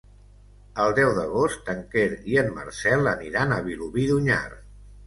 El deu d'agost en Quer i en Marcel aniran a Vilobí d'Onyar.